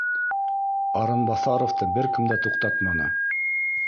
Арынбаҫаровты бер кем дә туҡтатманы